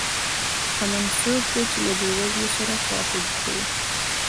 شتمن څوک دی چې له بې وزلو سره خواخوږي کوي.